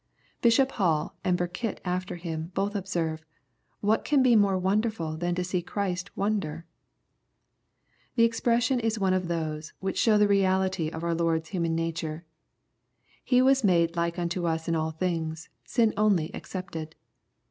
Bishop Hall, and Burkitt after him, both observe, " What can be more wonderful than to see Christ wonder ?" The expression is one of those which show the reality of our Lord's human nature. He was made like unto us in all things, sin only excepted.